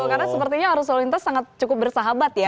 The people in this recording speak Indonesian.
karena sepertinya arus lalu lintas sangat cukup bersahabat ya